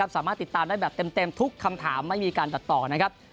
สามารถติดตามได้แบบเต็มทุกคำถามไม่มีการตัดต่อนะครับ